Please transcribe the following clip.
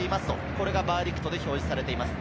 これがバーディクトで表示されています。